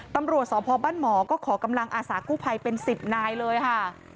ตำรวจสพบ้านหมอก็ขอกำลังอาสากู้ภัยเป็น๑๐นายเลยค่ะ